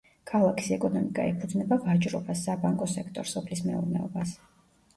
ქალაქის ეკონომიკა ეფუძნება ვაჭრობას, საბანკო სექტორს, სოფლის მეურნეობას.